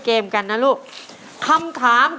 คุณยายแจ้วเลือกตอบจังหวัดนครราชสีมานะครับ